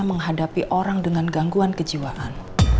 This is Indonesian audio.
menghadapi orang dengan gangguan kejiwaan